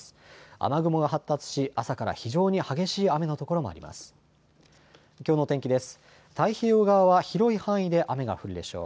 雨雲が発達し朝から非常に激しい雨の所もあります。